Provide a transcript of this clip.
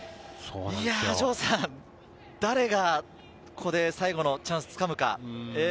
城さん誰がここで最後のチャンスをつかむか？